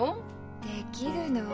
できるの？